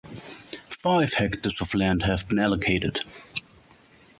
Five hectares of land have been allocated.